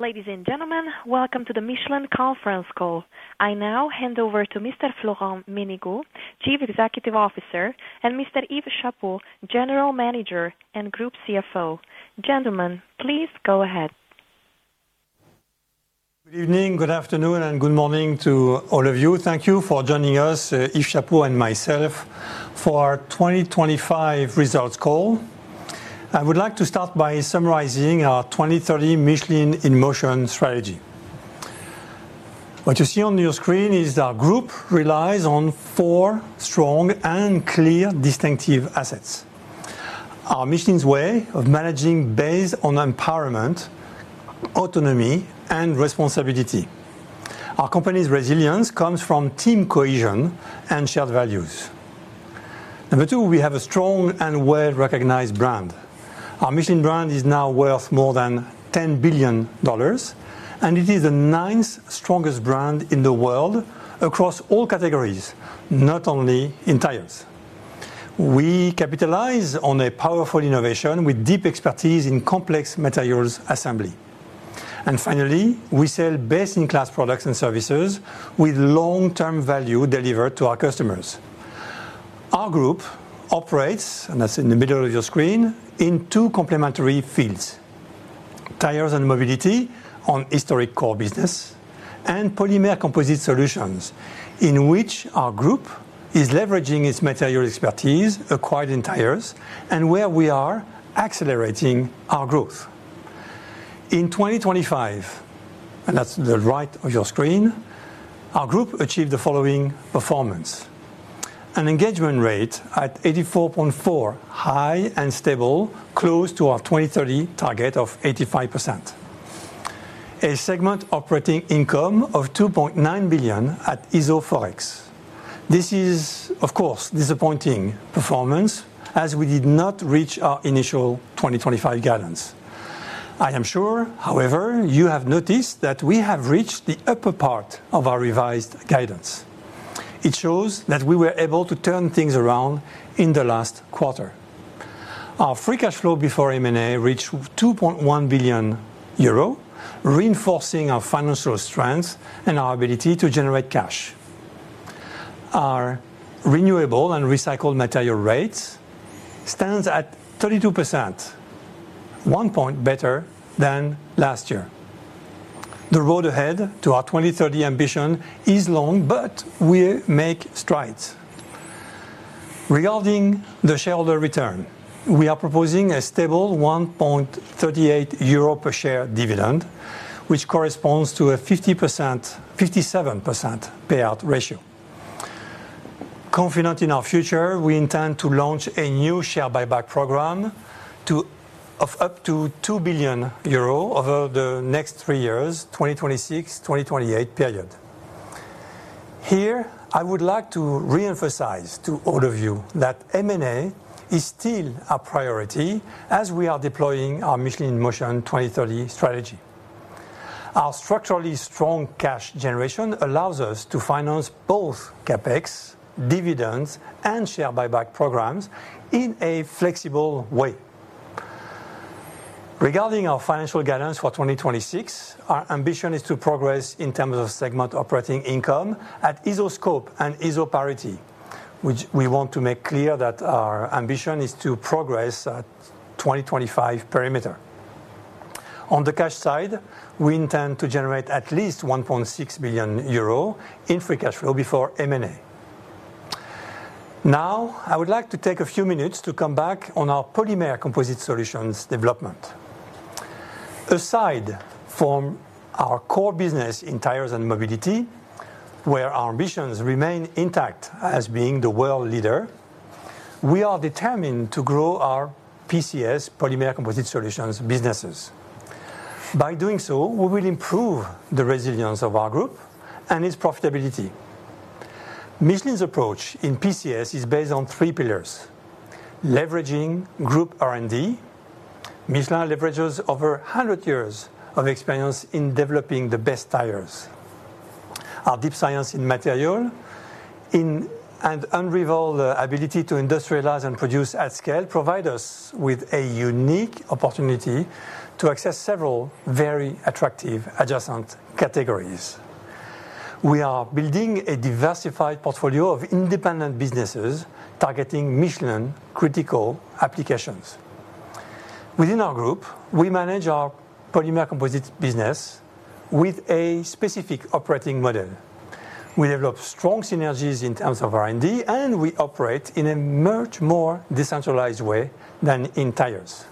Ladies and gentlemen, welcome to the Michelin conference call. I now hand over to Mr. Florent Menegaux, Chief Executive Officer, and Mr. Yves Chapot, General Manager and Group CFO. Gentlemen, please go ahead. Good evening, good afternoon, and good morning to all of you. Thank you for joining us, Yves Chapot and myself, for our 2025 results call. I would like to start by summarizing our 2030 Michelin in Motion strategy. What you see on your screen is our group relies on four strong and clear distinctive assets. Our Michelin's way of managing based on empowerment, autonomy, and responsibility. Our company's resilience comes from team cohesion and shared values. Number two, we have a strong and well-recognized brand. Our Michelin brand is now worth more than $10 billion, and it is the ninth strongest brand in the world across all categories, not only in tires. We capitalize on a powerful innovation with deep expertise in complex materials assembly. And finally, we sell best-in-class products and services with long-term value delivered to our customers. Our group operates, and that's in the middle of your screen, in two complementary fields: tires and mobility on historic core Polymer Composite Solutions, in which our group is leveraging its material expertise acquired in tires and where we are accelerating our growth. In 2025, and that's the right of your screen, our group achieved the following performance. An engagement rate at 84.4, high and stable, close to our 2030 target of 85%. A segment operating income of 2.9 billion at iso-Forex. This is, of course, disappointing performance, as we did not reach our initial 2025 guidance. I am sure, however, you have noticed that we have reached the upper part of our revised guidance. It shows that we were able to turn things around in the last quarter. Our free cash flow before M&A reached 2.1 billion euro, reinforcing our financial strength and our ability to generate cash. Our renewable and recycled material rates stands at 32%, 1 point better than last year. The road ahead to our 2030 ambition is long, but we make strides. Regarding the shareholder return, we are proposing a stable 1.38 euro per share dividend, which corresponds to a 50%-57% payout ratio. Confident in our future, we intend to launch a new share buyback program to, of up to 2 billion euros over the next three years, 2026-2028 period. Here, I would like to reemphasize to all of you that M&A is still a priority as we are deploying our Michelin in Motion 2030 strategy. Our structurally strong cash generation allows us to finance both CapEx, dividends, and share buyback programs in a flexible way. Regarding our financial guidance for 2026, our ambition is to progress in terms of segment operating income at iso-Forex and iso-scope, which we want to make clear that our ambition is to progress at 2025 perimeter. On the cash side, we intend to generate at least 1.6 billion euro in free cash flow before M&A. Now, I would like to take a few minutes to come back Polymer Composite Solutions development. aside from our core business in tires and mobility, where our ambitions remain intact as being the world leader, we are determined to grow Polymer Composite Solutions, businesses. by doing so, we will improve the resilience of our group and its profitability. Michelin's approach in PCS is based on three pillars: leveraging group R&D. Michelin leverages over a hundred years of experience in developing the best tires. Our deep science in material, and unrivaled ability to industrialize and produce at scale provide us with a unique opportunity to access several very attractive adjacent categories. We are building a diversified portfolio of independent businesses targeting Michelin critical applications. Within our group, we manage our polymer composite business with a specific operating model. We develop strong synergies in terms of R&D, and we operate in a much more decentralized way than in tires.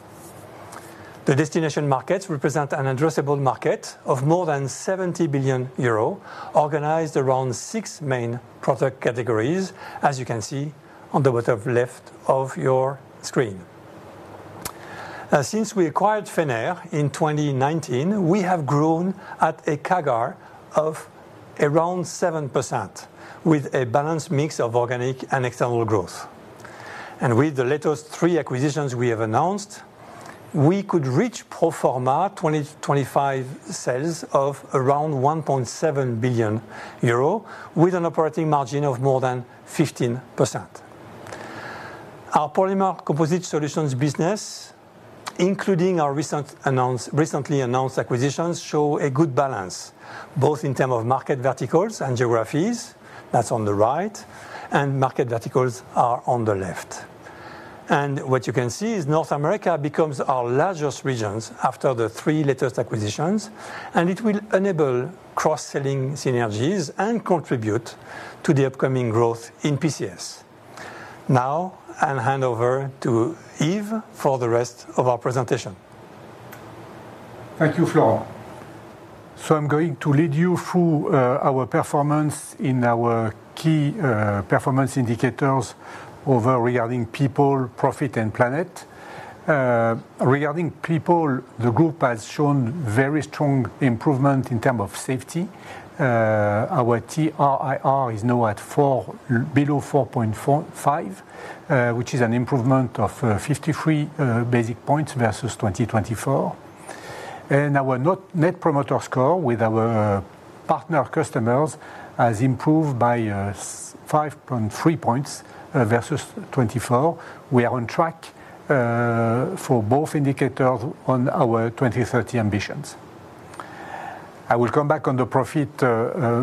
The destination markets represent an addressable market of more than 70 billion euro, organized around six main product categories, as you can see on the bottom left of your screen. Since we acquired Fenner in 2019, we have grown at a CAGR of around 7%, with a balanced mix of organic and external growth. With the latest three acquisitions we have announced, we could reach pro forma 2025 sales of around 1.7 billion euro, with an operating margin of more than Polymer Composite Solutions business, including our recent announce, recently announced acquisitions, show a good balance, both in terms of market verticals and geographies. That's on the right, and market verticals are on the left. What you can see is North America becomes our largest regions after the three latest acquisitions, and it will enable cross-selling synergies and contribute to the upcoming growth in PCS. Now, I'll hand over to Yves for the rest of our presentation. Thank you, Florent. So I'm going to lead you through our performance in our key performance indicators regarding people, profit, and planet. Regarding people, the group has shown very strong improvement in terms of safety. Our TRIR is now at 4, below 4.45, which is an improvement of 53 basis points versus 2024. And our Net Promoter Score with our partner customers has improved by 5.3 points versus 2024. We are on track for both indicators on our 2030 ambitions. I will come back on the profit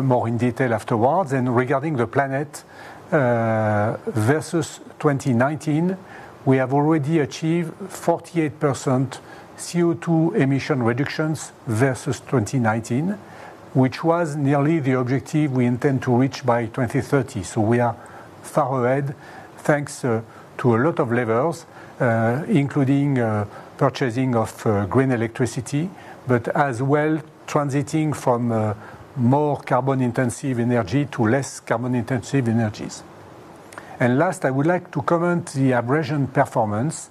more in detail afterwards. And regarding the planet, versus 2019, we have already achieved 48% CO2 emission reductions versus 2019, which was nearly the objective we intend to reach by 2030. So we are far ahead, thanks to a lot of levels, including purchasing of green electricity, but as well transiting from more carbon-intensive energy to less carbon-intensive energies. And last, I would like to comment the abrasion performance.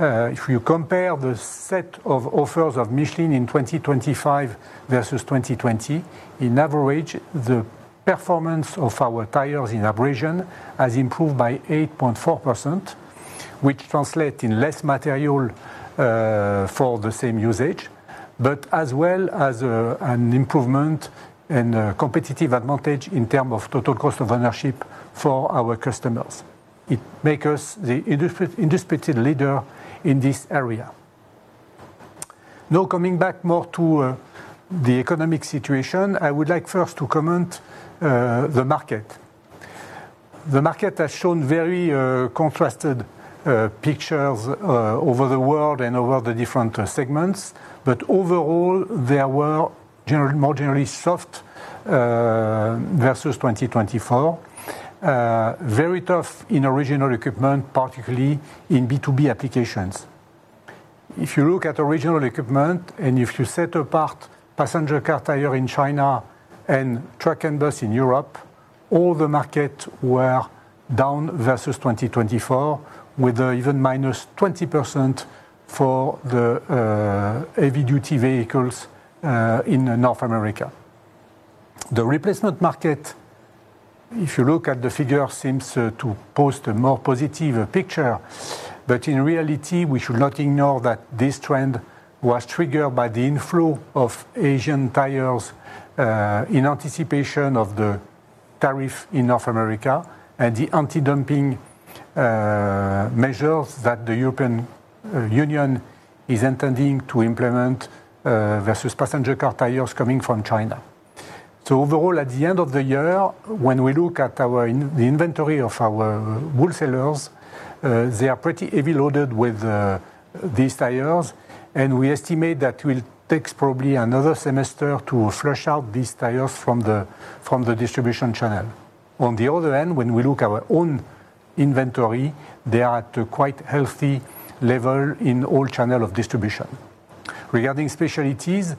If you compare the set of offers of Michelin in 2025 versus 2020, in average, the performance of our tires in abrasion has improved by 8.4%, which translate in less material for the same usage, but as well as an improvement and competitive advantage in term of total cost of ownership for our customers. It make us the undisputed leader in this area. Now, coming back more to the economic situation, I would like first to comment the market. The market has shown very, contrasted, pictures over the world and over the different, segments, but overall, there were moderately soft, versus 2024. Very tough in original equipment, particularly in B2B applications. If you look at original equipment, and if you set apart passenger car tire in China and truck and bus in Europe, all the market were down versus 2024, with even -20% for the heavy-duty vehicles in North America. The replacement market, if you look at the figure, seems to post a more positive picture. But in reality, we should not ignore that this trend was triggered by the inflow of Asian tires in anticipation of the tariff in North America and the antidumping measures that the European Union is intending to implement versus passenger car tires coming from China. So overall, at the end of the year, when we look at the inventory of our wholesalers, they are pretty heavy loaded with these tires, and we estimate that will takes probably another semester to flush out these tires from the distribution channel. On the other hand, when we look our own inventory, they are at a quite healthy level in all channel of distribution. Regarding specialties,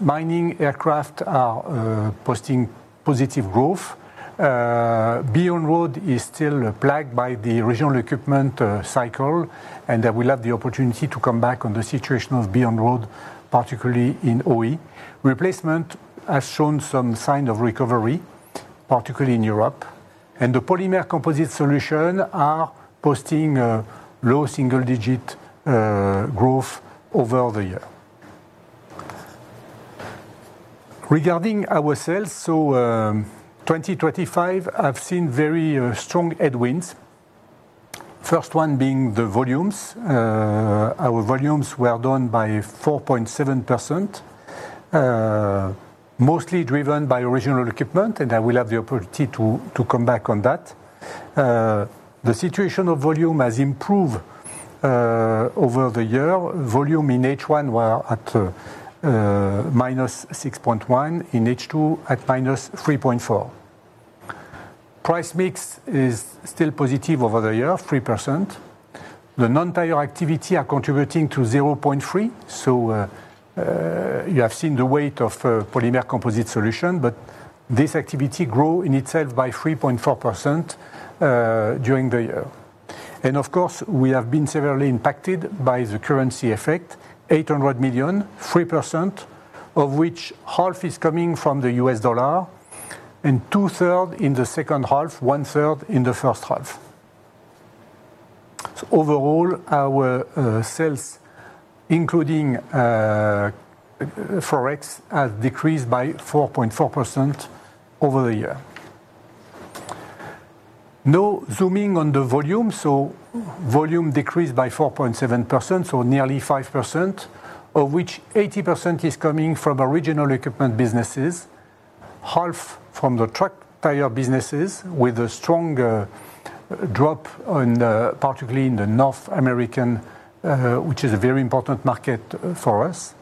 Mining, Aircraft are posting positive growth. Beyond Road is still plagued by the original equipment cycle, and I will have the opportunity to come back on the situation of Beyond Road, particularly in OE. Replacement has shown some sign of recovery, particularly in Europe, Polymer Composite Solutions are posting low single-digit growth over the year. Regarding our sales, so, 2025, I've seen very strong headwinds, first one being the volumes. Our volumes were down by 4.7%, mostly driven by original equipment, and I will have the opportunity to come back on that. The situation of volume has improved over the year. Volume in H1 were at -6.1, in H2 at -3.4. Price mix is still positive over the year, 3%. The non-tire activity are contributing to 0.3, so, you have seen the weight of, Polymer Composite Solutions, but this activity grow in itself by 3.4% during the year. And of course, we have been severely impacted by the currency effect, €800 million, 3%, of which half is coming from the US dollar, and two-thirds in the second half, one-third in the first half. So overall, our sales, including Forex, has decreased by 4.4% over the year. Now, zooming on the volume, so volume decreased by 4.7%, so nearly 5%, of which 80% is coming from original equipment businesses, half from the truck tire businesses, with a stronger drop on, particularly in the North American, which is a very important market for us,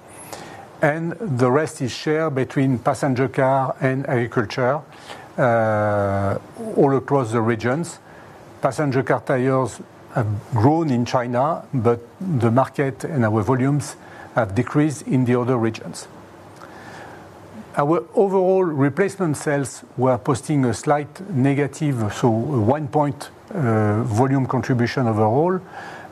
and the rest is shared between passenger car and agriculture, all across the regions. Passenger car tires have grown in China, but the market and our volumes have decreased in the other regions. Our overall replacement sales were posting a slight negative, so 1 point volume contribution overall,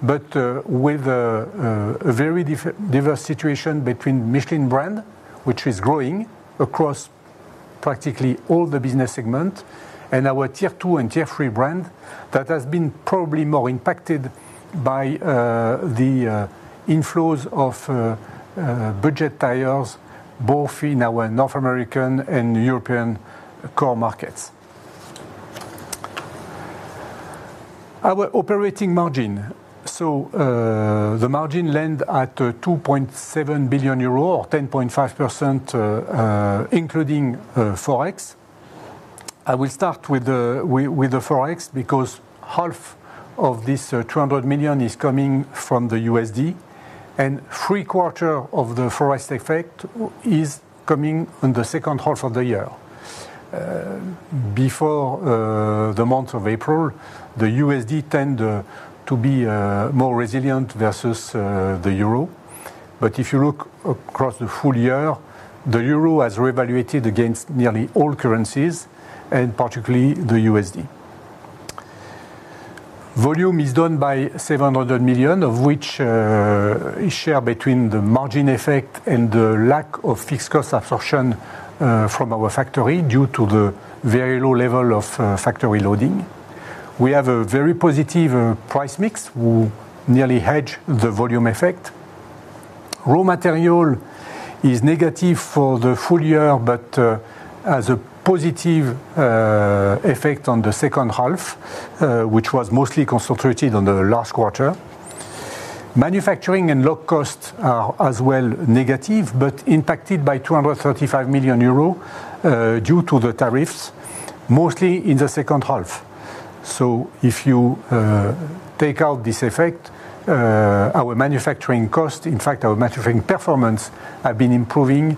but with a very diverse situation between Michelin brand, which is growing across practically all the business segment, and our tier two and tier three brand, that has been probably more impacted by the inflows of budget tires, both in our North American and European core markets. Our operating margin. So, the margin land at 2.7 billion euro, or 10.5%, including Forex. I will start with the Forex, because half of this 200 million is coming from the USD, and three-quarters of the Forex effect is coming on the second half of the year. Before the month of April, the USD tended to be more resilient versus the euro. But if you look across the full year, the euro has revalued against nearly all currencies, and particularly the USD. Volume is down by 700 million, of which is shared between the margin effect and the lack of fixed cost absorption from our factory due to the very low level of factory loading. We have a very positive price mix, which nearly hedges the volume effect. Raw material is negative for the full year, but as a positive effect on the second half, which was mostly concentrated on the last quarter. Manufacturing and low cost are as well negative, but impacted by 235 million euros due to the tariffs, mostly in the second half. So if you take out this effect, our manufacturing cost, in fact, our manufacturing performance, have been improving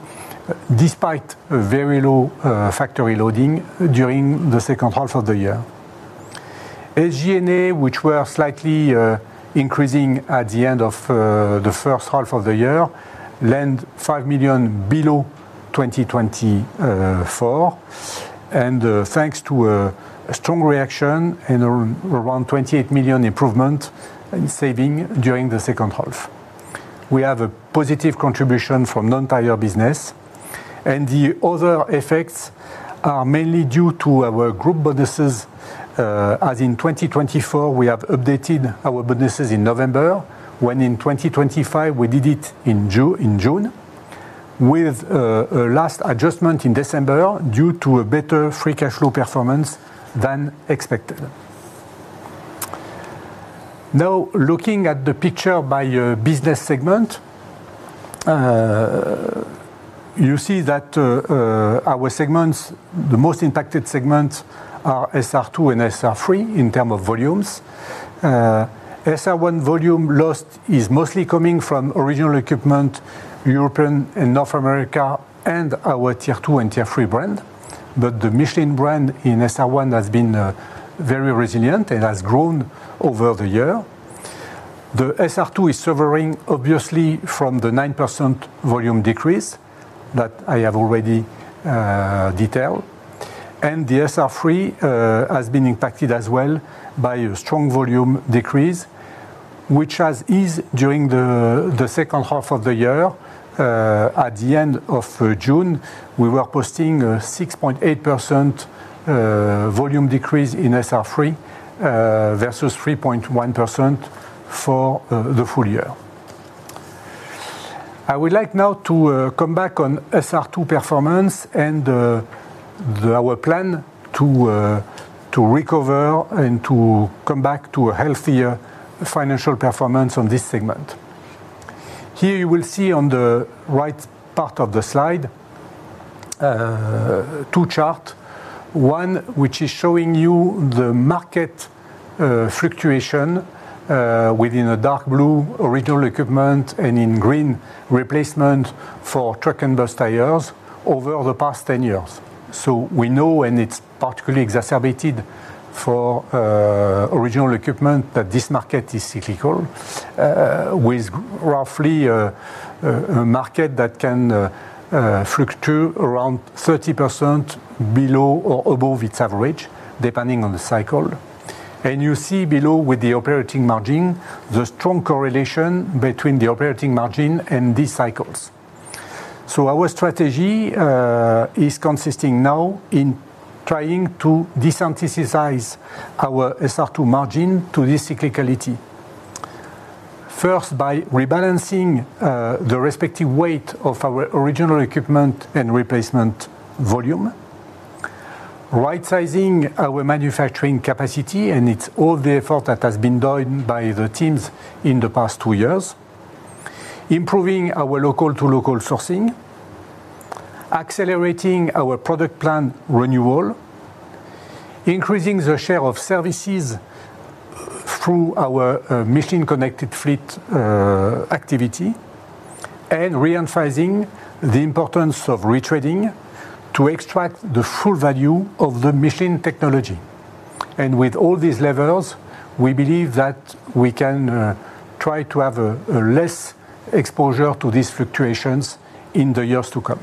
despite a very low factory loading during the second half of the year. SG&A, which were slightly increasing at the end of the first half of the year, landed 5 million below 2024, and thanks to a strong reaction and around 28 million improvement in saving during the second half. We have a positive contribution from non-tire business, and the other effects are mainly due to our group bonuses. As in 2024, we have updated our bonuses in November, when in 2025 we did it in June, with a last adjustment in December, due to a better free cash flow performance than expected. Now, looking at the picture by business segment, you see that our segments, the most impacted segments are SR2 and SR3 in terms of volumes. SR1 volume loss is mostly coming from original equipment, Europe and North America, and our tier two and tier three brands. But the Michelin brand in SR1 has been very resilient and has grown over the year. The SR2 is suffering, obviously, from the 9% volume decrease that I have already detailed, and the SR3 has been impacted as well by a strong volume decrease, which has eased during the second half of the year. At the end of June, we were posting a 6.8% volume decrease in SR3 versus 3.1% for the full year. I would like now to come back on SR2 performance and our plan to recover and to come back to a healthier financial performance on this segment. Here you will see on the right part of the slide two charts, one which is showing you the market fluctuation within a dark blue original equipment and in green replacement for truck and bus tires over the past 10 years. So we know, and it's particularly exacerbated for original equipment, that this market is cyclical with roughly a market that can fluctuate around 30% below or above its average, depending on the cycle. And you see below with the operating margin, the strong correlation between the operating margin and these cycles. Our strategy is consisting now in trying to desensitize our SR2 margin to this cyclicality. First, by rebalancing the respective weight of our original equipment and replacement volume, right-sizing our manufacturing capacity, and it's all the effort that has been done by the teams in the past two years, improving our local-to-local sourcing, accelerating our product plan renewal, increasing the share of services through our machine-connected fleet activity, and re-emphasizing the importance of retreading to extract the full value of the machine technology. And with all these levels, we believe that we can try to have a less exposure to these fluctuations in the years to come.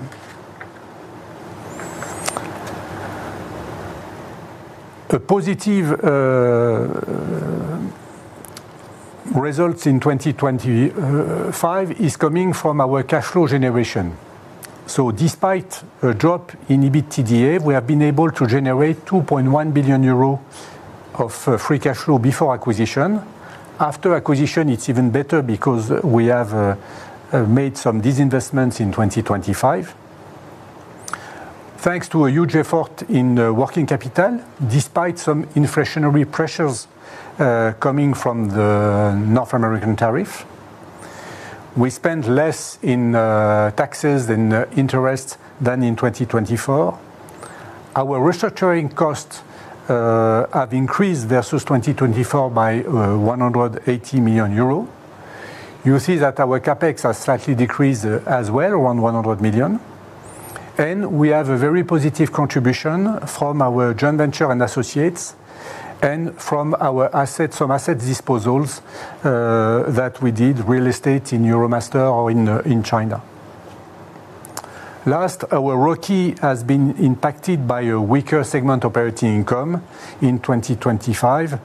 The positive results in 2025 is coming from our cash flow generation. So despite a drop in EBITDA, we have been able to generate 2.1 billion euro of free cash flow before acquisition. After acquisition, it's even better because we have made some disinvestments in 2025. Thanks to a huge effort in working capital, despite some inflationary pressures coming from the North American tariff, we spent less in taxes and interest than in 2024. Our restructuring costs have increased versus 2024 by 180 million euro. You will see that our CapEx has slightly decreased as well, around 100 million, and we have a very positive contribution from our joint venture and associates, and from our assets, from asset disposals that we did, real estate in Euromaster or in in China. Last, our ROCE has been impacted by a weaker segment operating income in 2025,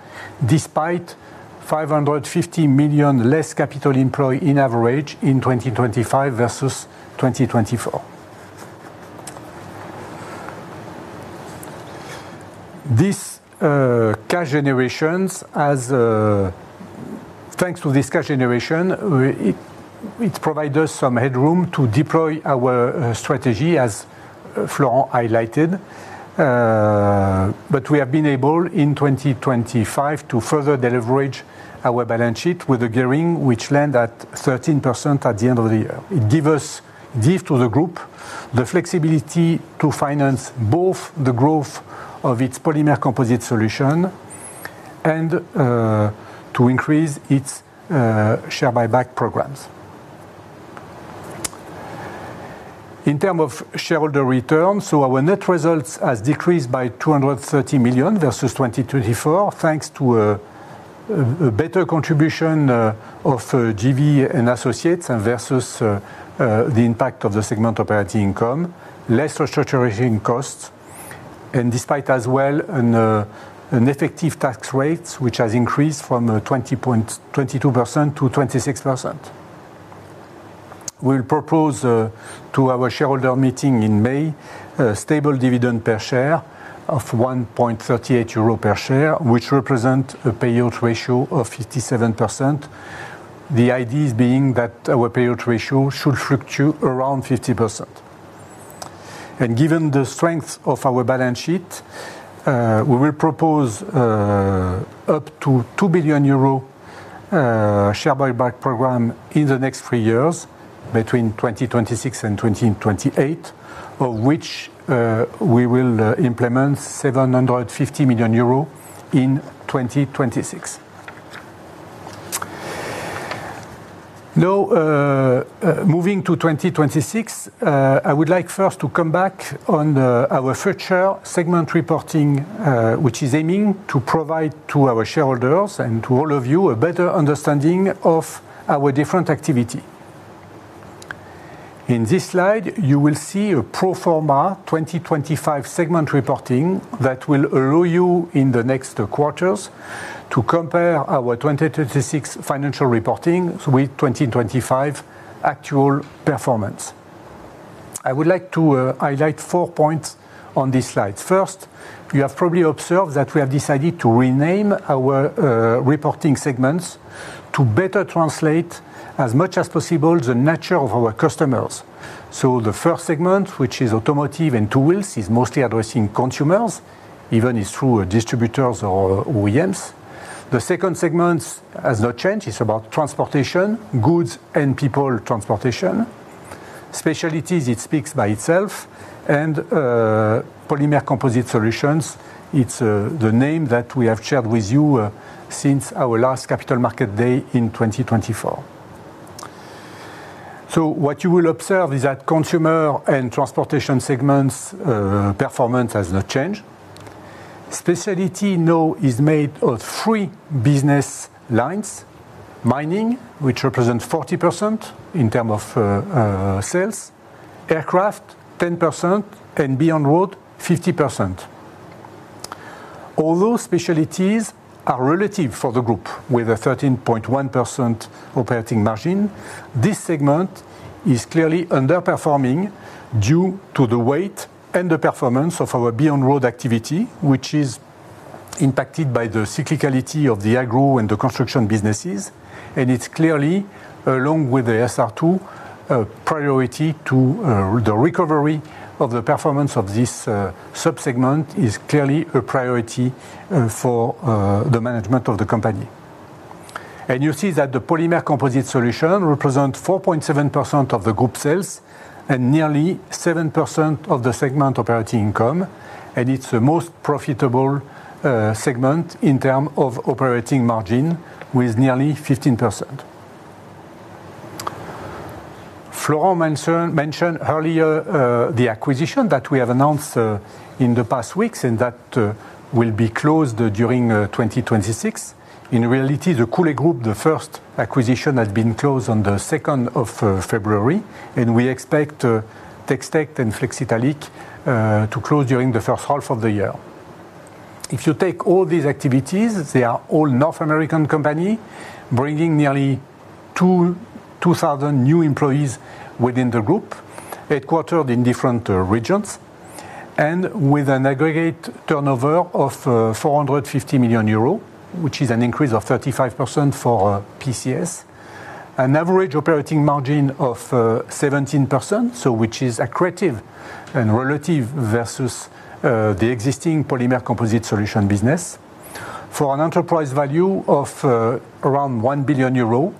despite 550 million less capital employed in average in 2025 versus 2024. Thanks to this cash generation, it provide us some headroom to deploy our strategy, as Florent highlighted. But we have been able, in 2025, to further leverage our balance sheet with a gearing, which land at 13% at the end of the year. It give us, give to the group, the flexibility to finance both the growth of its Polymer Composite Solutions and to increase its share buyback programs. In terms of shareholder returns, so our net results has decreased by 230 million versus 2024, thanks to a better contribution of JV and Associates and versus the impact of the segment operating income, less restructuring costs, and despite as well an effective tax rate, which has increased from twenty-two percent to 26%. We'll propose to our shareholder meeting in May a stable dividend per share of 1.38 euro per share, which represent a payout ratio of 57%. The idea is being that our payout ratio should fluctuate around 50%. Given the strength of our balance sheet, we will propose up to 2 billion euro share buyback program in the next three years, between 2026 and 2028, of which we will implement 750 million euro in 2026. Now, moving to 2026, I would like first to come back on our future segment reporting, which is aiming to provide to our shareholders and to all of you, a better understanding of our different activity. In this slide, you will see a pro forma 2025 segment reporting that will allow you, in the next quarters, to compare our 2026 financial reporting with 2025 actual performance. I would like to highlight four points on this slide. First, you have probably observed that we have decided to rename our reporting segments to better translate as much as possible the nature of our customers. So the first segment, which is Automotive and Two Wheels, is mostly addressing consumers, even it's through distributors or OEMs. The second segment has not changed. It's about Transportation, Goods and People Transportation. Specialties, it speaks by Polymer Composite Solutions, it's the name that we have shared with you since our last Capital Market Day in 2024. So what you will observe is that consumer and transportation segments performance has not changed. Specialty now is made of three business lines: Mining, which represents 40% in terms of sales; Aircraft, 10%; and Beyond Road, 50%.... Although specialties are relative for the group, with a 13.1% operating margin, this segment is clearly underperforming due to the weight and the performance of our Beyond Road activity, which is impacted by the cyclicality of the agro and the construction businesses. And it's clearly, along with the SR2, a priority to the recovery of the performance of this sub-segment is clearly a priority for the management of the company. And you see that the Polymer Composite Solutions represents 4.7% of the group sales and nearly 7% of the segment operating income, and it's the most profitable segment in term of operating margin, with nearly 15%. Florent mentioned earlier the acquisition that we have announced in the past weeks, and that will be closed during 2026. In reality, the Cooley Group, the first acquisition, had been closed on the second of February, and we expect Tex Tech and Flexitallic to close during the first half of the year. If you take all these activities, they are all North American company, bringing nearly 2,000 new employees within the group, headquartered in different regions, and with an aggregate turnover of 450 million euro, which is an increase of 35% for PCS. An average operating margin of 17%, so which is accretive and relative versus the existing Polymer Composite Solutions business. For an enterprise value of around 1 billion euro,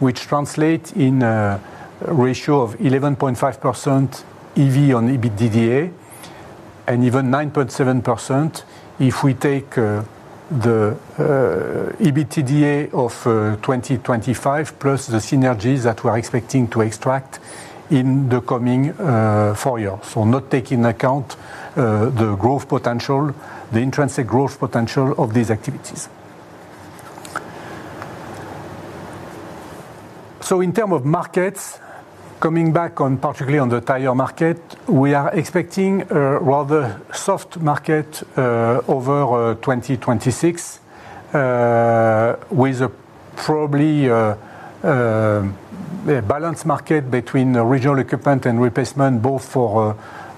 which translate in a ratio of 11.5% EV on EBITDA, and even 9.7% if we take the EBITDA of 2025, plus the synergies that we are expecting to extract in the coming 4 years. So not taking into account the growth potential, the intrinsic growth potential of these activities. So in term of markets, coming back on, particularly on the tire market, we are expecting a rather soft market over 2026, with probably a balanced market between the original equipment and replacement, both for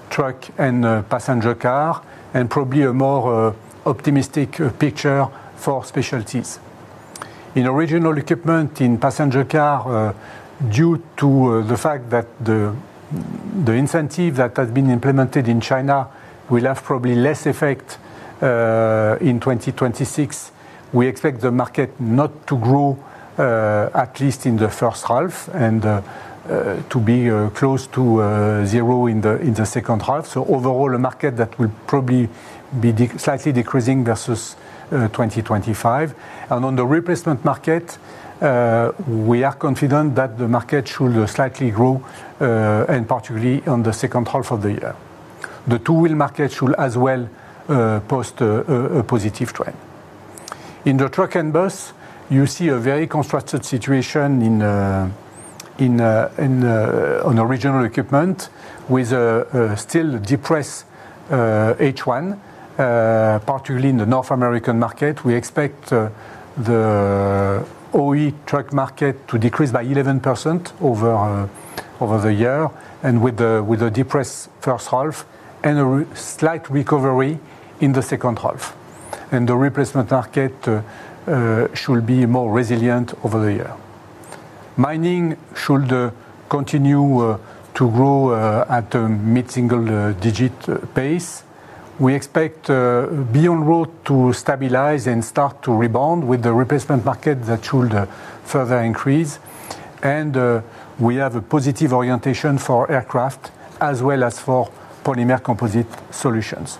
truck and passenger car, and probably a more optimistic picture for specialties. In original equipment, in passenger car, due to the fact that the incentive that has been implemented in China will have probably less effect in 2026. We expect the market not to grow, at least in the first half and to be close to zero in the second half. So overall, a market that will probably be slightly decreasing versus 2025. And on the replacement market, we are confident that the market should slightly grow, and particularly on the second half of the year. The two-wheel market should as well post a positive trend. In the truck and bus, you see a very constructed situation in on original equipment with a still depressed H1, particularly in the North American market. We expect the OE truck market to decrease by 11% over the year, with a depressed first half and a slight recovery in the second half. The replacement market should be more resilient over the year. Mining should continue to grow at a mid-single digit pace. We expect Beyond Road to stabilize and start to rebound, with the replacement market that should further increase. We have a positive orientation for Aircraft as well Polymer Composite Solutions.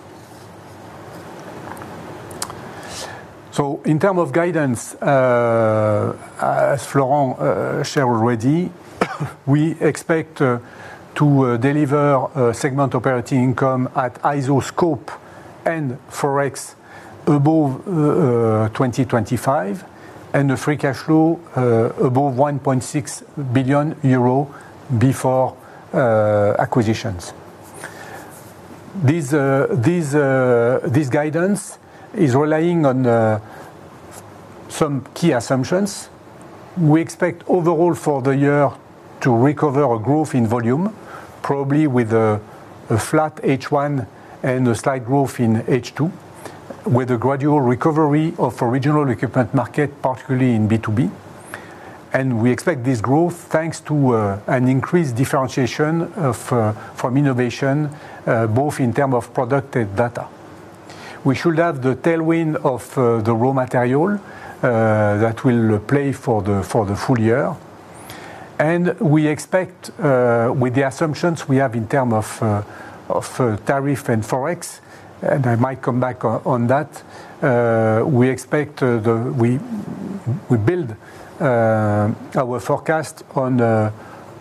so in terms of guidance, as Florent shared already, we expect to deliver a segment operating income at iso-scope and Forex above 2025, and a free cash flow above 1.6 billion euro before acquisitions. This guidance is relying on some key assumptions. We expect overall for the year to recover our growth in volume, probably with a flat H1 and a slight growth in H2, with a gradual recovery of original equipment market, particularly in B2B. And we expect this growth thanks to an increased differentiation of from innovation both in term of product and data. We should have the tailwind of the raw material that will play for the full year. And we expect with the assumptions we have in term of tariff and Forex, and I might come back on that we expect the... We build our forecast on the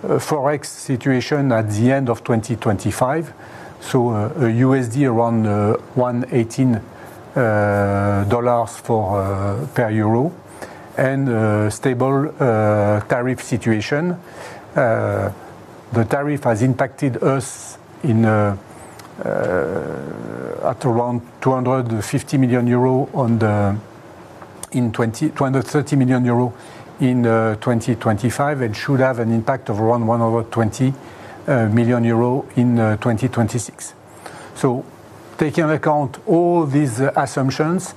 Forex situation at the end of 2025, so a USD around 1.18 dollars per euro, and a stable tariff situation, ...The tariff has impacted us up to around 250 million euro in 2022 and 230 million euro in 2025, and should have an impact of around 120 million euro in 2026. So taking account all these assumptions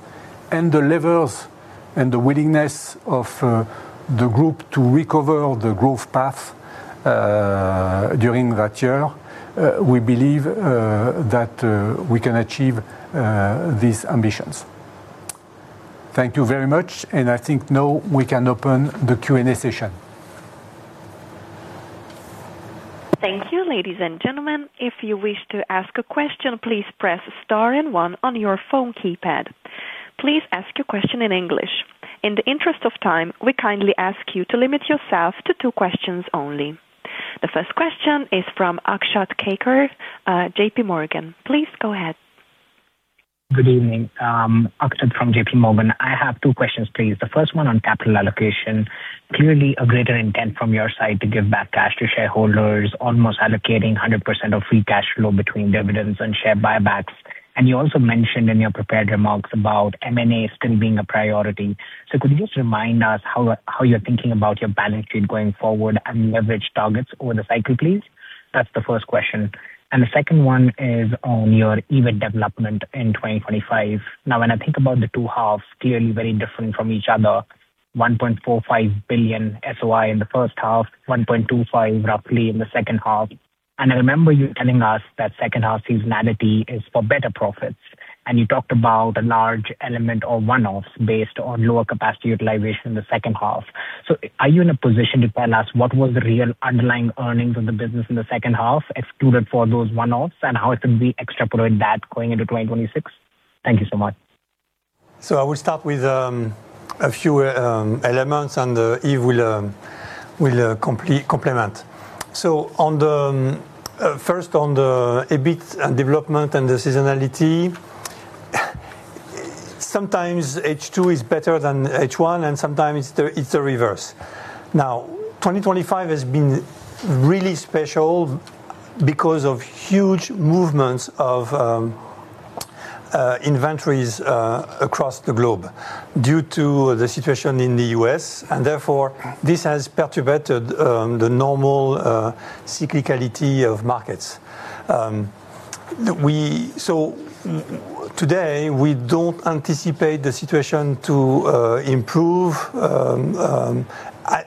and the levels and the willingness of the group to recover the growth path during that year, we believe that we can achieve these ambitions. Thank you very much, and I think now we can open the Q&A session. Thank you, ladies and gentlemen. If you wish to ask a question, please press star and one on your phone keypad. Please ask your question in English. In the interest of time, we kindly ask you to limit yourself to two questions only. The first question is from Akshat Kacker, J.P. Morgan. Please go ahead. Good evening, Akshat from JP Morgan. I have two questions, please. The first one on capital allocation. Clearly, a greater intent from your side to give back cash to shareholders, almost allocating 100% of free cash flow between dividends and share buybacks. And you also mentioned in your prepared remarks about M&A still being a priority. So could you just remind us how, how you're thinking about your balance sheet going forward and leverage targets over the cycle, please? That's the first question. And the second one is on your EBIT development in 2025. Now, when I think about the two halves, clearly very different from each other, 1.45 billion SOI in the first half, 1.25 billion, roughly, in the second half. I remember you telling us that second half seasonality is for better profits, and you talked about a large element of one-offs based on lower capacity utilization in the second half. So are you in a position to tell us what was the real underlying earnings of the business in the second half, excluded for those one-offs, and how it can be extrapolated back going into 2026? Thank you so much. So I will start with a few elements, and Yves will complement. So on the first, on the EBIT and development and the seasonality, sometimes H2 is better than H1, and sometimes it's the reverse. Now, 2025 has been really special because of huge movements of inventories across the globe due to the situation in the US, and therefore, this has perturbed the normal cyclicality of markets. So today, we don't anticipate the situation to improve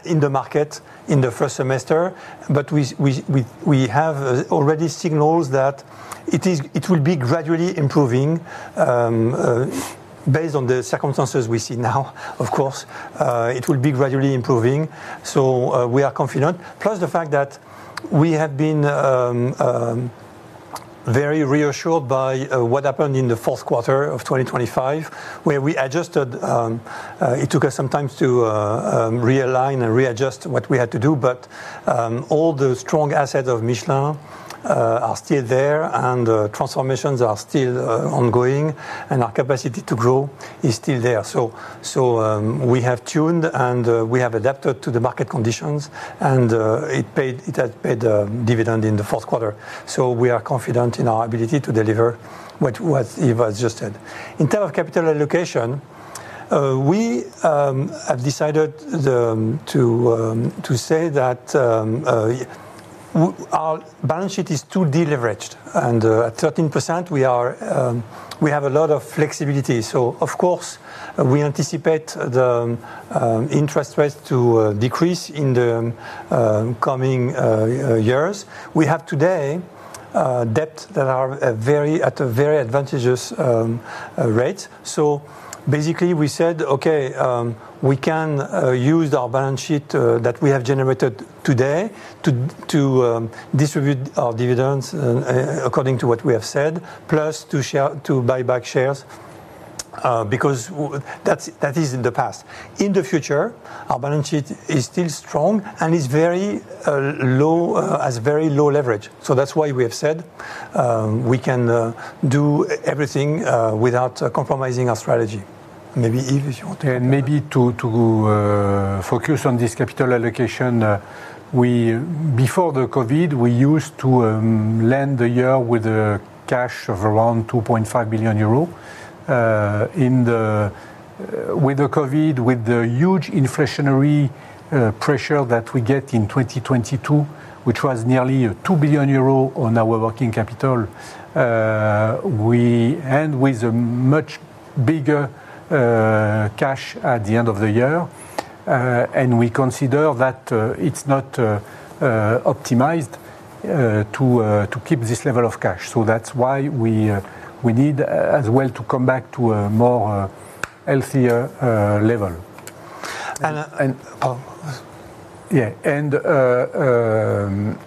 in the market in the first semester, but we have already signals that it will be gradually improving. Based on the circumstances we see now, of course, it will be gradually improving, so we are confident. Plus, the fact that we have been very reassured by what happened in the Q4 of 2025, where we adjusted, it took us some time to realign and readjust what we had to do, but all the strong assets of Michelin are still there, and the transformations are still ongoing, and our capacity to grow is still there. So, we have tuned, and we have adapted to the market conditions, and it paid, it has paid a dividend in the Q4. So we are confident in our ability to deliver what Yves just said. In terms of capital allocation, we have decided to say that our balance sheet is too deleveraged, and at 13%, we have a lot of flexibility. So of course, we anticipate the interest rates to decrease in the coming years. We have today debt that are very at a very advantageous rate. So basically, we said, "Okay, we can use our balance sheet that we have generated today to distribute our dividends according to what we have said, plus to share, to buy back shares," because that's, that is in the past. In the future, our balance sheet is still strong and is very low, has very low leverage. So that's why we have said we can do everything without compromising our strategy. Maybe, Yves, if you want to add? And maybe to focus on this capital allocation, we, before the COVID, we used to end the year with a cash of around 2.5 billion euro. In the with the COVID, with the huge inflationary pressure that we get in 2022, which was nearly 2 billion euros on our working capital, we end with a much bigger cash at the end of the year, and we consider that it's not optimized to keep this level of cash. So that's why we need as well to come back to a more healthier level. And, and-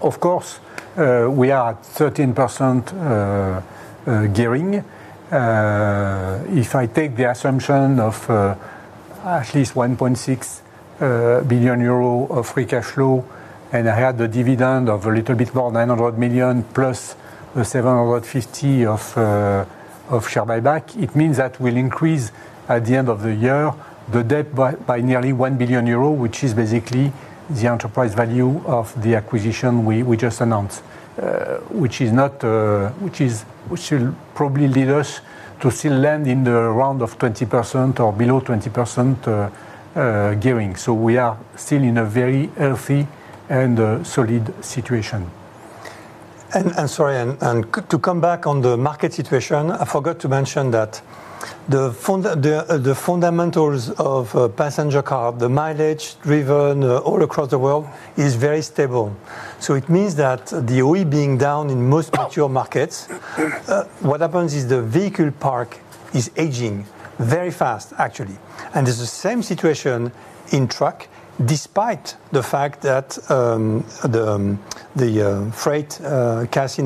Of course, we are at 13% gearing. If I take the assumption of at least 1.6 billion euro of free cash flow, and I had the dividend of a little bit more 900 million, plus the 750 million of share buyback, it means that we'll increase, at the end of the year, the debt by nearly 1 billion euro, which is basically the enterprise value of the acquisition we just announced. Which will probably lead us to still land in the round of 20% or below 20% gearing. So we are still in a very healthy and solid situation. Sorry, to come back on the market situation, I forgot to mention that the fundamentals of passenger car, the mileage driven all across the world, is very stable. So it means that the OE being down in most mature markets, what happens is the vehicle park is aging very fast, actually. And it's the same situation in truck, despite the fact that the Cass Freight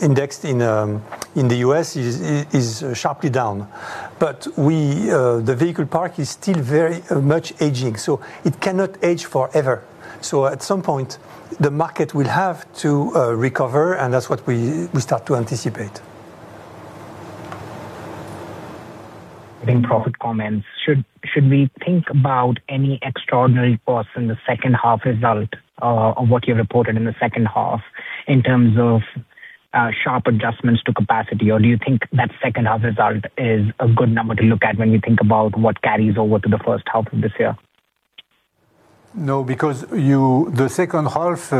Index indexed in the US is sharply down. But the vehicle park is still very much aging, so it cannot age forever. So at some point, the market will have to recover, and that's what we start to anticipate. In profit comments, should we think about any extraordinary costs in the second half result, on what you reported in the second half, in terms of sharp adjustments to capacity? Or do you think that second half result is a good number to look at when you think about what carries over to the first half of this year? No, because you—the second half,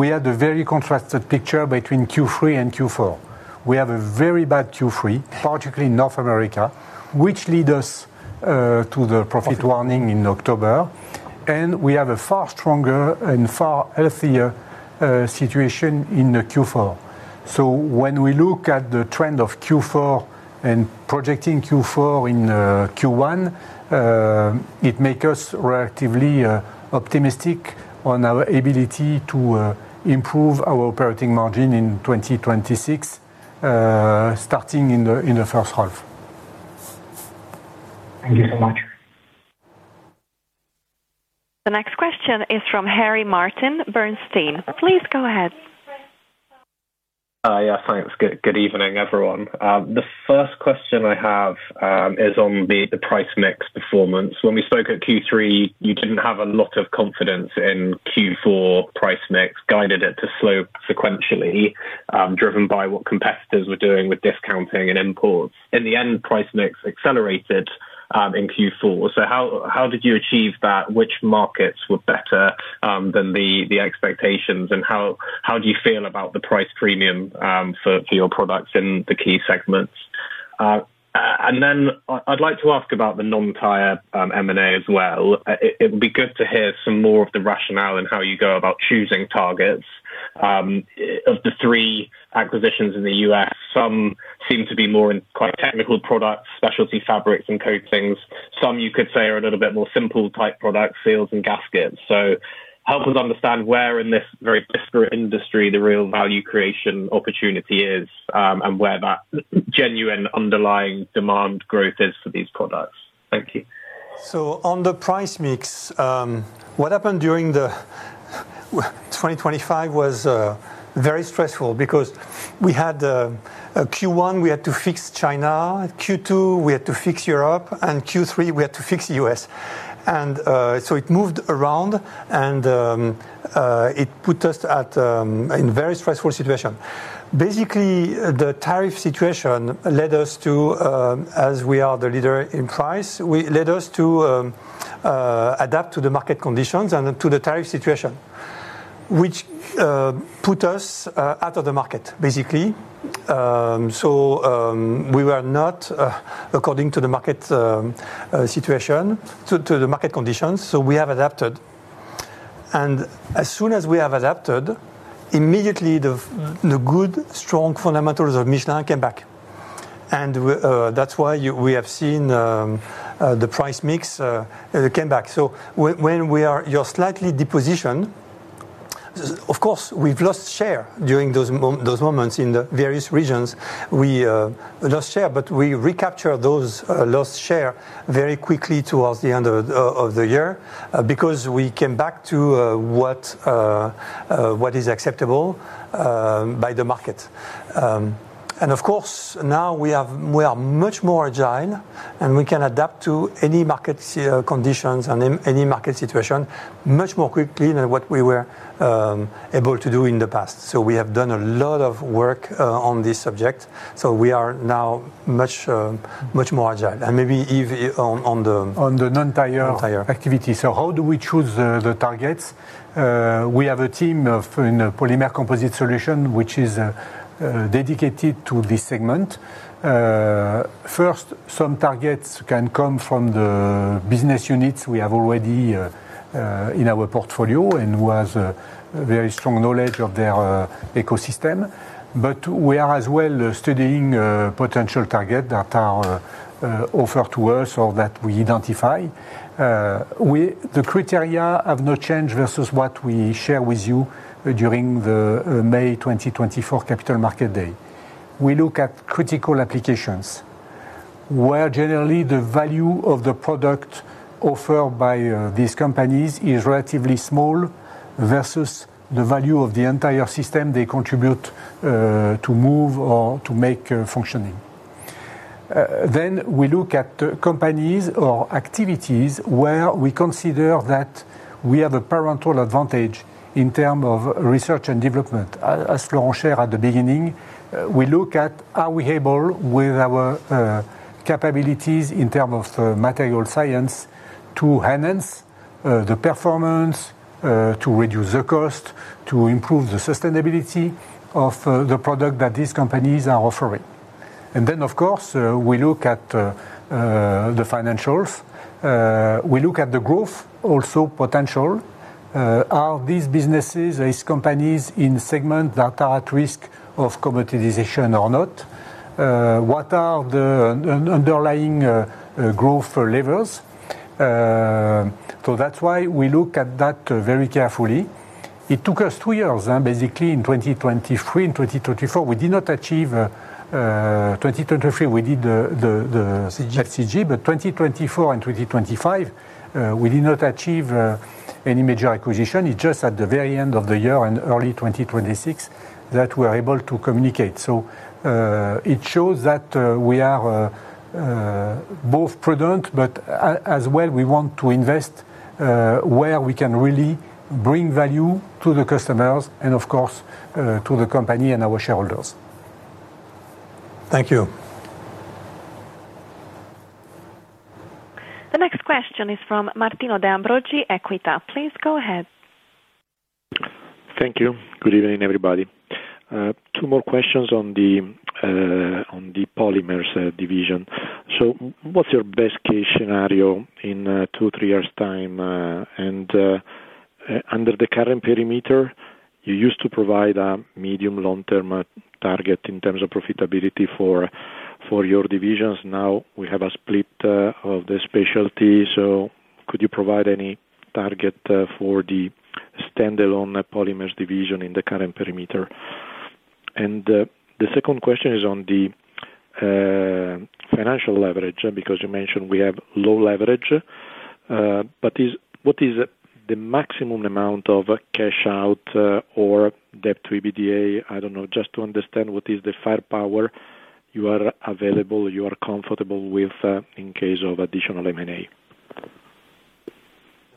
we had a very contrasted picture between Q3 and Q4. We have a very bad Q3, particularly in North America, which lead us to the profit warning in October, and we have a far stronger and far healthier situation in the Q4. So when we look at the trend of Q4 and projecting Q4 in Q1, it make us relatively optimistic on our ability to improve our operating margin in 2026, starting in the first half. Thank you so much. The next question is from Harry Martin, Bernstein. Please go ahead. Yeah, thanks. Good evening, everyone. The first question I have is on the price mix performance. When we spoke at Q3, you didn't have a lot of confidence in Q4 price mix, guided it to slope sequentially, driven by what competitors were doing with discounting and imports. In the end, price mix accelerated in Q4. So how did you achieve that? Which markets were better than the expectations, and how do you feel about the price premium for your products in the key segments? And then I'd like to ask about the non-tire M&A as well. It would be good to hear some more of the rationale in how you go about choosing targets. Of the three acquisitions in the U.S., some seem to be more in quite technical products, specialty fabrics and coatings. Some you could say are a little bit more simple type products, seals and gaskets. So help us understand where in this very disparate industry, the real value creation opportunity is, and where that genuine underlying demand growth is for these products. Thank you. So on the price mix, what happened during the 2025 was very stressful because we had Q1, we had to fix China, Q2, we had to fix Europe, and Q3, we had to fix U.S. And so it moved around, and it put us in very stressful situation. Basically, the tariff situation led us to, as we are the leader in price, led us to adapt to the market conditions and to the tariff situation, which put us out of the market, basically. So we were not according to the market situation, to the market conditions, so we have adapted. And as soon as we have adapted, immediately the good, strong fundamentals of Michelin came back. And that's why you, we have seen the price mix came back. So when we are... You're slightly depositioned, of course, we've lost share during those moments in the various regions. We lost share, but we recapture those lost share very quickly towards the end of the year, because we came back to what what is acceptable by the market. And of course, now we have, we are much more agile, and we can adapt to any market conditions and any market situation much more quickly than what we were able to do in the past. So we have done a lot of work on this subject, so we are now much much more agile, and maybe even on on the- On the non-tire- Non-tire. -activity. So how do we choose the targets? We have a team of, in a Polymer Composite Solutions, which is dedicated to this segment. First, some targets can come from the business units we have already in our portfolio and who has a very strong knowledge of their ecosystem. But we are as well studying potential target that are offered to us or that we identify. The criteria have not changed versus what we share with you during the May 2024 capital market day. We look at critical applications.... where generally the value of the product offered by these companies is relatively small versus the value of the entire system they contribute to move or to make functioning. Then we look at companies or activities where we consider that we have a parental advantage in term of research and development. As Laurent shared at the beginning, we look at are we able, with our capabilities in term of the material science, to enhance the performance to reduce the cost, to improve the sustainability of the product that these companies are offering? And then, of course, we look at the financials. We look at the growth, also potential. Are these businesses, these companies in segment that are at risk of commoditization or not? What are the underlying growth levels? So that's why we look at that very carefully. It took us two years, basically, in 2023 and 2024. We did not achieve 2023, we did the- FCG. But 2024 and 2025, we did not achieve any major acquisition. It's just at the very end of the year and early 2026 that we're able to communicate. So, it shows that we are both prudent, but as well, we want to invest where we can really bring value to the customers and, of course, to the company and our shareholders. Thank you. The next question is from Martino De Ambroggi, Equita. Please go ahead. Thank you. Good evening, everybody. Two more questions on the polymers division. So what's your best-case scenario in two, three years' time? And under the current perimeter, you used to provide a medium, long-term target in terms of profitability for your divisions. Now, we have a split of the specialty, so could you provide any target for the standalone polymers division in the current perimeter? And the second question is on the financial leverage, because you mentioned we have low leverage. But what is the maximum amount of cash out or debt to EBITDA? I don't know, just to understand, what is the firepower you are available, you are comfortable with in case of additional M&A.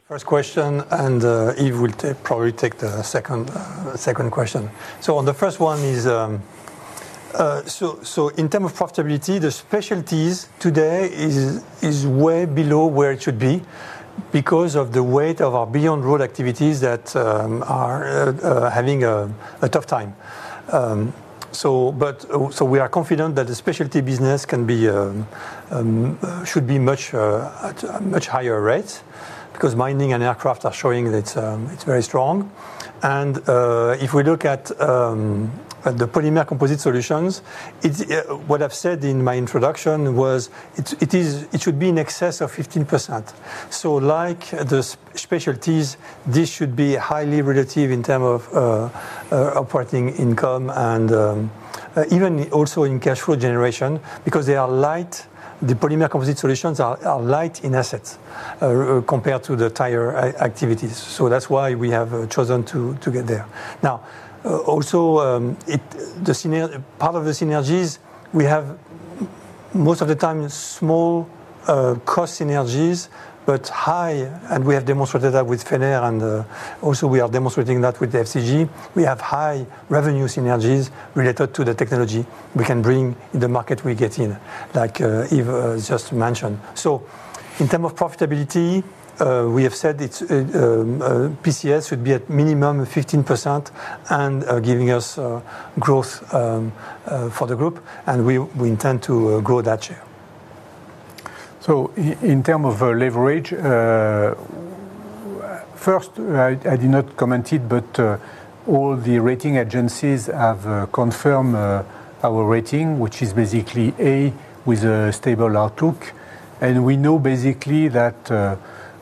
First question, and Yves will take, probably the second question. So the first one is in terms of profitability, the specialties today is way below where it should be because of the weight of our Beyond Road activities that are having a tough time. So but, so we are confident that the specialty business can be, should be much at a much higher rate, because Mining and Aircraft are showing that it's very strong. And, if we look Polymer Composite Solutions, it's what I've said in my introduction. It is - it should be in excess of 15%. So like the specialties, this should be highly relative in terms of operating income and even also in cash flow generation, because they are Polymer Composite Solutions are light in assets compared to the tire activities, so that's why we have chosen to get there. Now, also, the synergies we have most of the time is small cost synergies, but high, and we have demonstrated that with Fenner and also we are demonstrating that with the FCG. We have high revenue synergies related to the technology we can bring in the market we get in, like Yves just mentioned. So in terms of profitability, we have said it's PCS would be at minimum 15% and, giving us growth for the group, and we intend to grow that share. So in terms of leverage, first, I did not comment it, but all the rating agencies have confirmed our rating, which is basically A with a stable outlook. And we know basically that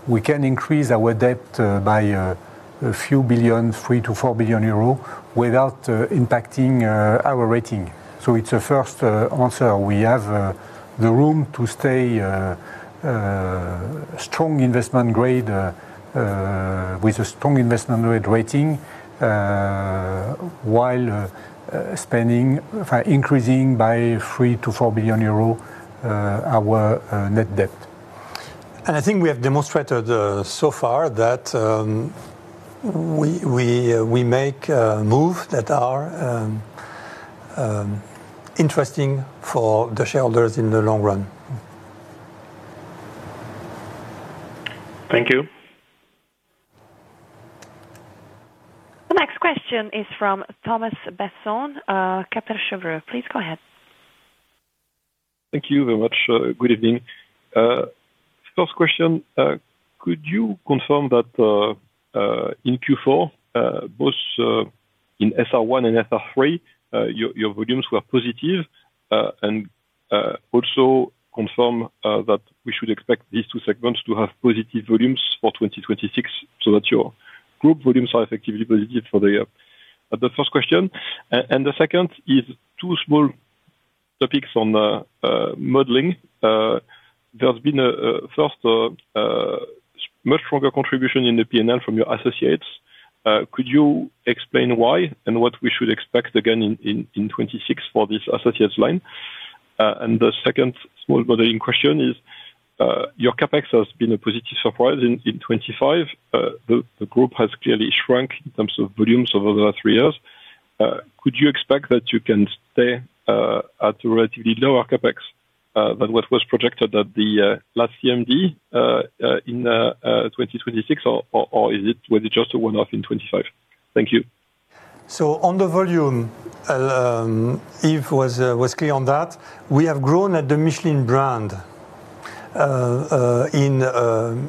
we can increase our debt by a few billion EUR, 3 billion-4 billion euro, without impacting our rating. So it's a first answer. We have the room to stay strong investment grade with a strong investment grade rating while spending increasing by 3 billion-4 billion euros our net debt. I think we have demonstrated so far that we make moves that are interesting for the shareholders in the long run. Thank you. The next question is from Thomas Besson, Kepler Cheuvreux. Please go ahead. Thank you very much. Good evening. First question, could you confirm that in Q4, both in SR1 and SR3, your volumes were positive? And also confirm that we should expect these two segments to have positive volumes for 2026, so that your group volumes are effectively positive for the year? The first question, and the second is two small topics on the modeling. There's been a much stronger contribution in the P&L from your associates. Could you explain why and what we should expect again in 2026 for this associates line? And the second small modeling question is, your CapEx has been a positive surprise in 2025. The group has clearly shrunk in terms of volumes over the last three years. Could you expect that you can stay at a relatively low CapEx than what was projected at the last CMD in 2026, or was it just a one-off in 2025? Thank you. So on the volume, Yves was clear on that. We have grown at the Michelin brand,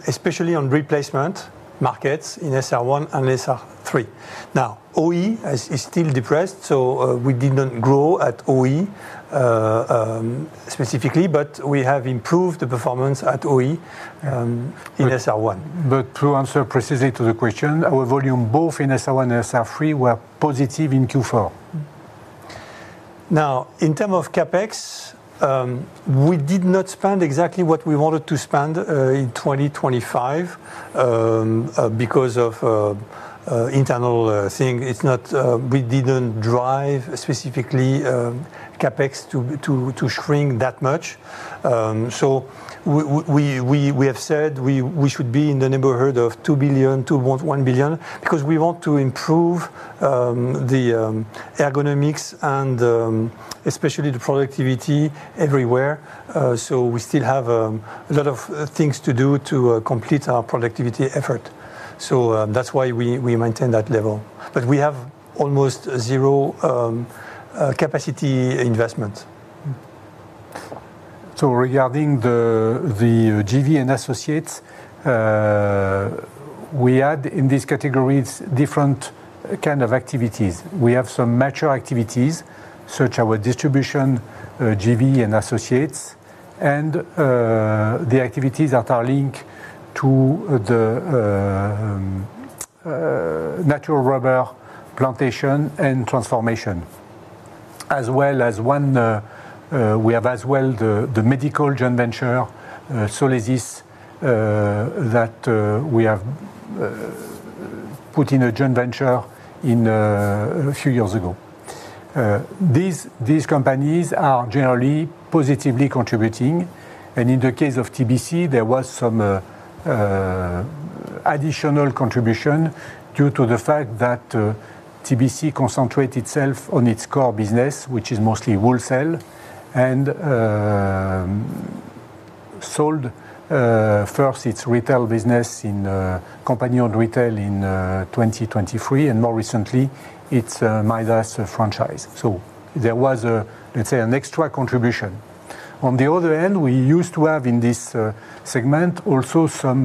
especially on replacement markets in SR1 and SR3. Now, OE is still depressed, so we didn't grow at OE, specifically, but we have improved the performance at OE, in SR1. But to answer precisely to the question, our volume, both in SR1 and SR3, were positive in Q4. Now, in term of CapEx, we did not spend exactly what we wanted to spend in 2025, because of internal thing. It's not... We didn't drive specifically CapEx to shrink that much. So we have said we should be in the neighborhood of 2 billion-1 billion, because we want to improve the ergonomics and especially the productivity everywhere. So we still have a lot of things to do to complete our productivity effort. So that's why we maintain that level. But we have almost zero capacity investment. So regarding the JV and Associates, we add in these categories different kind of activities. We have some mature activities, such our distribution JV and Associates, and the activities that are linked to the natural rubber plantation and transformation. As well as one, we have as well the medical joint venture, Solesis, that we have put in a joint venture in a few years ago. These companies are generally positively contributing, and in the case of TBC, there was some additional contribution due to the fact that TBC concentrated itself on its core business, which is mostly wholesale, and sold first its retail business in company-owned retail in 2023, and more recently, its Midas franchise. So there was a, let's say, an extra contribution. On the other end, we used to have in this segment also some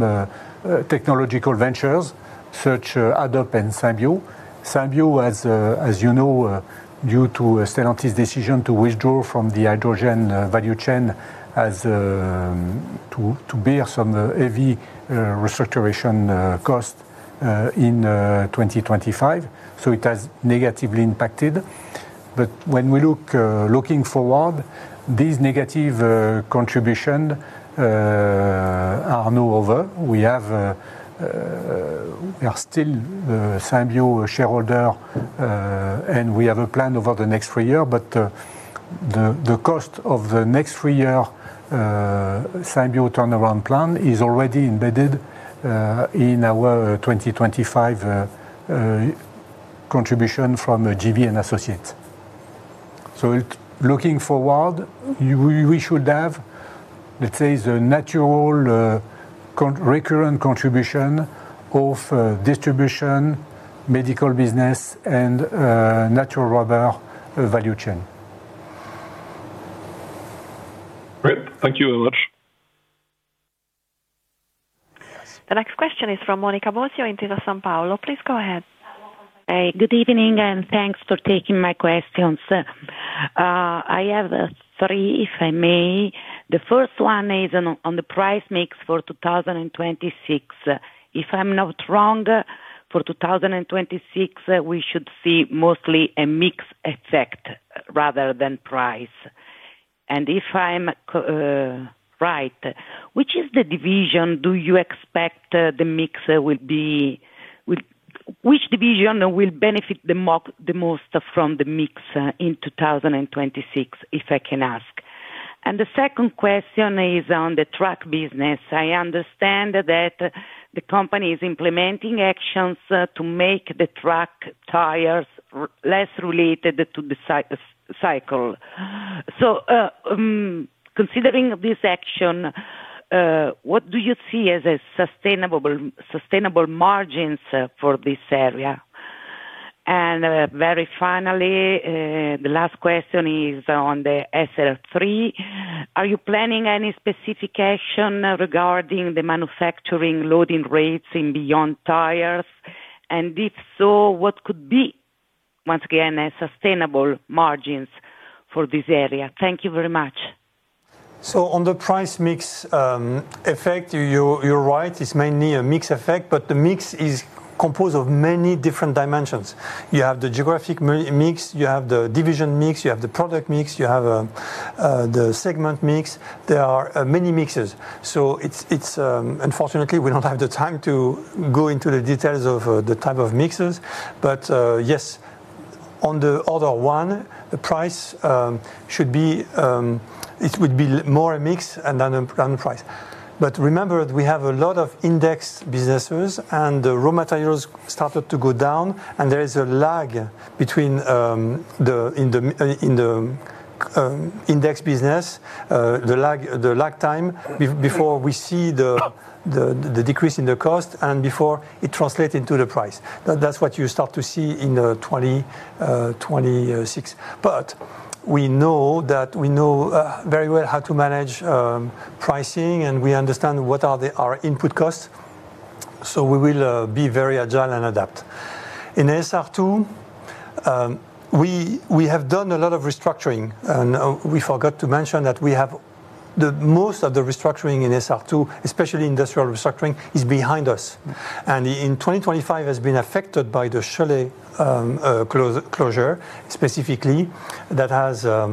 technological ventures, such as AddUp and Symbio. Symbio, as you know, due to Stellantis' decision to withdraw from the hydrogen value chain as to bear some heavy restructuring cost in 2025, so it has negatively impacted. But when we look looking forward, these negative contribution are now over. We are still Symbio shareholder and we have a plan over the next three year. But the cost of the next three-year Symbio turnaround plan is already embedded in our 2025 contribution from the JV and Associates. Looking forward, we should have, let's say, the natural recurrent contribution of distribution, medical business, and natural rubber value chain. Great. Thank you very much. The next question is from Monica Bosio, Intesa Sanpaolo. Please go ahead. Hey, good evening, and thanks for taking my questions. I have three, if I may. The first one is on the price mix for 2026. If I'm not wrong, for 2026, we should see mostly a mix effect rather than price. And if I'm right, which is the division do you expect the mix will be... Which division will benefit the most from the mix in 2026, if I can ask? And the second question is on the truck business. I understand that the company is implementing actions to make the truck tires less related to the cycle. So, considering this action, what do you see as sustainable margins for this area? Very finally, the last question is on the SR3. Are you planning any specification regarding the manufacturing loading rates in beyond tires? And if so, what could be, once again, a sustainable margins for this area? Thank you very much.... So on the price mix effect, you, you're right, it's mainly a mix effect, but the mix is composed of many different dimensions. You have the geographic mix, you have the division mix, you have the product mix, you have the segment mix. There are many mixes. So it's unfortunately, we don't have the time to go into the details of the type of mixes, but yes, on the other one, the price should be, it would be more a mix and then price. But remember, we have a lot of index businesses, and the raw materials started to go down, and there is a lag between the, in the index business, the lag time before we see the- Yep... the decrease in the cost and before it translates into the price. That's what you start to see in 2026. But we know that we know very well how to manage pricing, and we understand what are the our input costs, so we will be very agile and adapt. In SR2, we have done a lot of restructuring, and we forgot to mention that we have the most of the restructuring in SR2, especially industrial restructuring, is behind us. And in 2025 has been affected by the Cholet closure specifically, that has a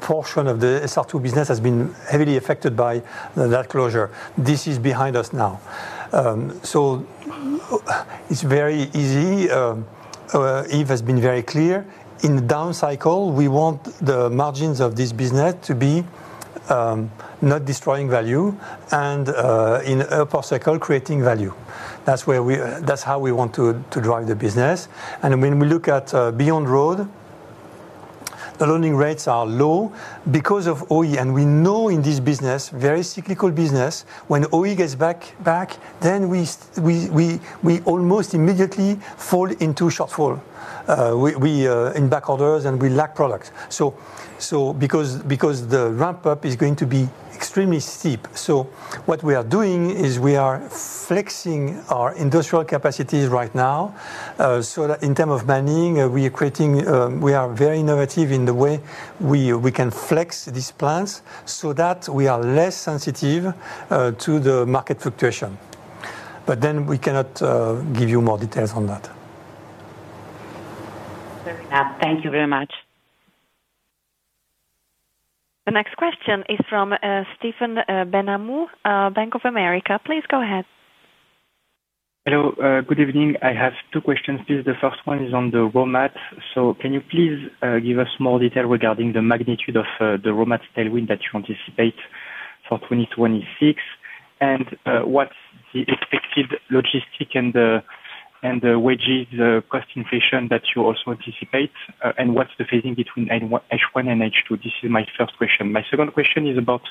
portion of the SR2 business has been heavily affected by that closure. This is behind us now. So it's very easy, Yves has been very clear. In the down cycle, we want the margins of this business to be not destroying value and in up cycle, creating value. That's where we that's how we want to to drive the business. And when we look at Beyond Road, the learning rates are low because of OE. And we know in this business, very cyclical business, when OE gets back back, then we we we almost immediately fall into shortfall. We in back orders, and we lack products. So because the ramp up is going to be extremely steep. So what we are doing is we are flexing our industrial capacities right now, so that in term of manning, we are creating. We are very innovative in the way we we can flex these plans so that we are less sensitive to the market fluctuation. But then we cannot give you more details on that. Very well. Thank you very much. The next question is from Stephen Benhamou, Bank of America. Please go ahead. Hello. Good evening. I have two questions. Please, the first one is on the raw mat. So can you please give us more detail regarding the magnitude of the raw mat tailwind that you anticipate for 2026? And what's the expected logistic and the, and the wages, the cost inflation that you also anticipate, and what's the phasing between N1-H1 and H2? This is my first question. My second question is about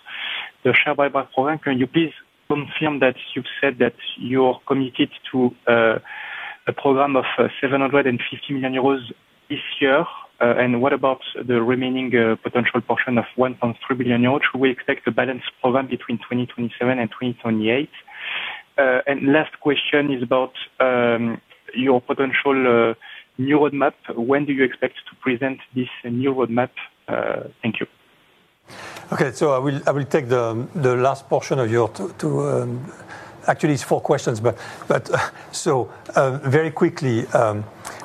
the share buyback program. Can you please confirm that you've said that you're committed to a program of 750 million euros this year? And what about the remaining potential portion of 1.3 billion euros? We expect the balanced program between 2027 and 2028. And last question is about your potential new roadmap. When do you expect to present this new roadmap? Thank you. Okay. So I will take the last portion of your, actually it's four questions, but so very quickly,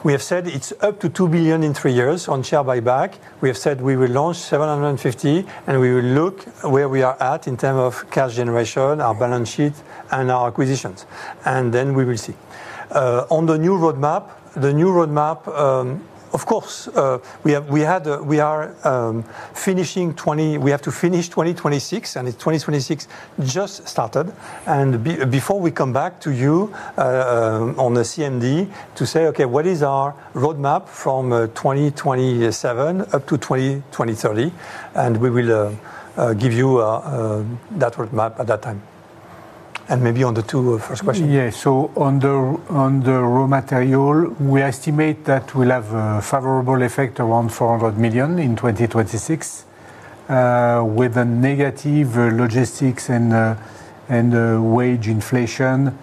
we have said it's up to 2 billion in 3 years on share buyback. We have said we will launch 750, and we will look where we are at in terms of cash generation, our balance sheet and our acquisitions, and then we will see. On the new roadmap, of course, we have to finish 2026, and 2026 just started. Before we come back to you on the CMD to say, "Okay, what is our roadmap from 2027 up to 2030?" We will give you that roadmap at that time. And maybe on the two first question. Yeah. So on the raw material, we estimate that we'll have a favorable effect around 400 million in 2026, with a negative logistics and a wage inflation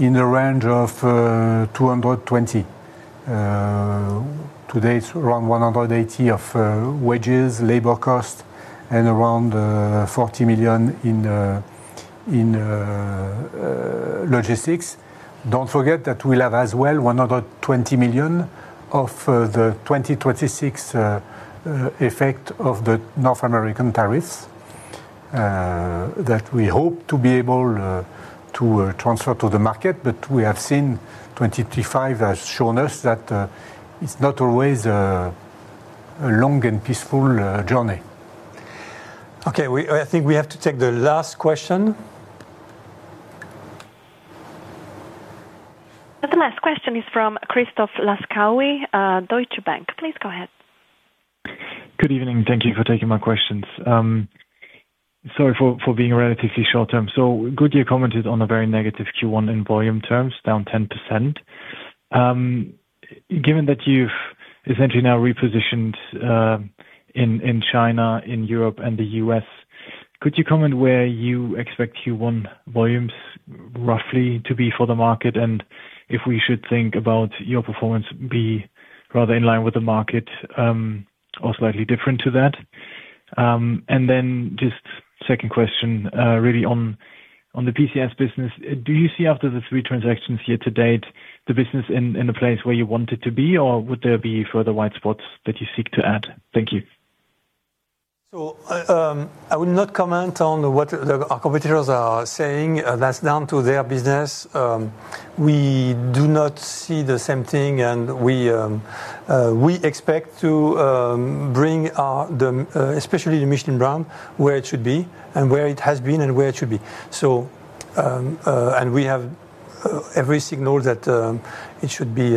in the range of 220 million. Today, it's around 180 million of wages, labor cost, and around 40 million in logistics. Don't forget that we'll have as well one other 20 million of the 2026 effect of the North American tariffs that we hope to be able to transfer to the market. But we have seen 2025 has shown us that it's not always a long and peaceful journey. Okay, I think we have to take the last question. The last question is from Christoph Laskawi, Deutsche Bank. Please go ahead. Good evening. Thank you for taking my questions. Sorry for, for being relatively short-term. So Goodyear commented on a very negative Q1 in volume terms, down 10%. Given that you've essentially now repositioned, in, in China, in Europe, and the U.S., could you comment where you expect Q1 volumes roughly to be for the market? And if we should think about your performance, be rather in line with the market, or slightly different to that. And then just second question, really on, on the PCS business. Do you see after the 3 transactions year to date, the business in, in a place where you want it to be, or would there be further white spots that you seek to add? Thank you. So, I will not comment on what our competitors are saying. That's down to their business. We do not see the same thing, and we expect to bring our especially the Michelin brand where it should be and where it has been and where it should be. So we have every signal that it should be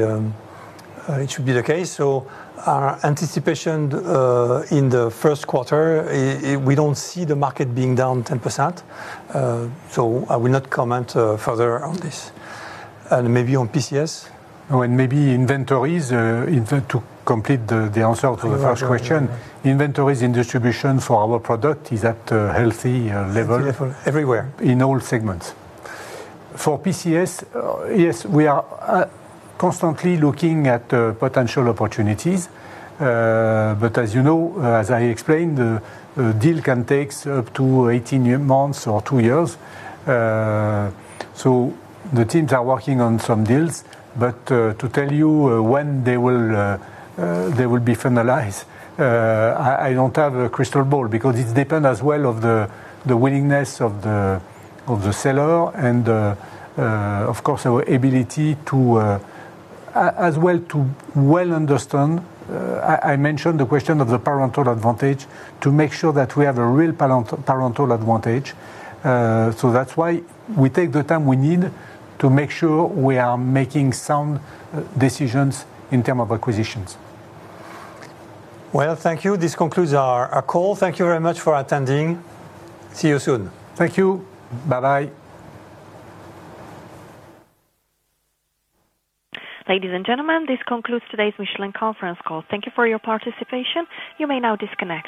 the case. So our anticipation in the Q1, we don't see the market being down 10%. So I will not comment further on this. And maybe on PCS? Oh, and maybe inventories, to complete the answer to the first question. Inventories and distribution for our product is at a healthy level- Everywhere. In all segments. For PCS, yes, we are constantly looking at potential opportunities. But as you know, as I explained, a deal can takes up to 18 months or 2 years. So the teams are working on some deals, but to tell you when they will be finalized, I don't have a crystal ball, because it depend as well of the willingness of the seller and of course, our ability as well to well understand. I mentioned the question of the parental advantage, to make sure that we have a real parental advantage. So that's why we take the time we need to make sure we are making sound decisions in term of acquisitions. Well, thank you. This concludes our call. Thank you very much for attending. See you soon. Thank you. Bye-bye. Ladies and gentlemen, this concludes today's Michelin conference call. Thank you for your participation. You may now disconnect.